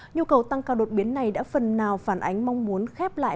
nhu cầu tăng cao đột biến này đã phần nào phản ánh mong muốn khép lại